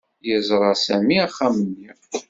Yeẓra Sami axxam-nni.